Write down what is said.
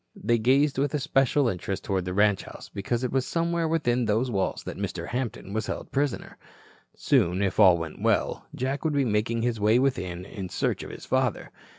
They gazed with especial interest toward the ranch house, because it was somewhere within those walls that Mr. Hampton was held prisoner. Soon, if all went well, Jack would be making his way within in search of his father.